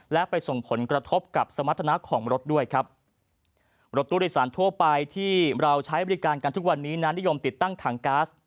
และไปส่งผลกระทบกับสมรรถนะของรถด้วยครับรถตู้โดยสารทั่วไปที่เราใช้บริการกันทุกวันนี้นั้นนิยมติดตั้งถังก๊าซ